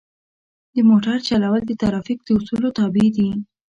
د موټر چلول د ترافیک د اصولو تابع دي.